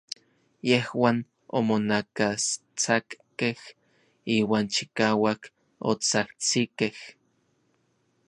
Yejuan omonakastsakkej iuan chikauak otsajtsikej.